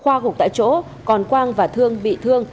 khoa gục tại chỗ còn quang và thương bị thương